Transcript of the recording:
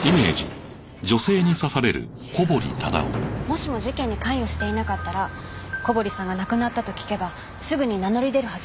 もしも事件に関与していなかったら小堀さんが亡くなったと聞けばすぐに名乗り出るはずです。